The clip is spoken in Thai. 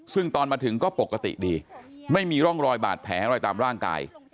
ซึ่งตอนมาถึงก็ปกติดีไม่มีร่องรอยบาดแผลอะไรตามร่างกาย